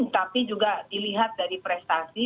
tapi juga dilihat dari prestasi